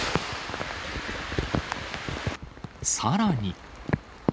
さらに。